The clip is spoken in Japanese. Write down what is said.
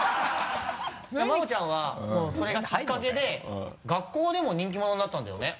真央ちゃんはもうそれがきっかけで学校でも人気者になったんだよね？